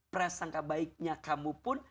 prasangka baiknya kamu pun